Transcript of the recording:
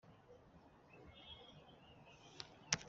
Ntiyanyaze yaragabanye mu rugo rwa Yuhi